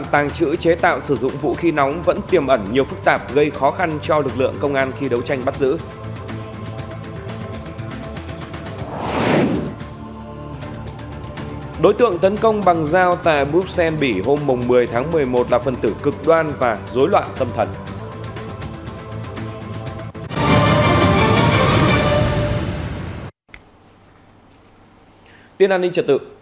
tin an ninh trật tự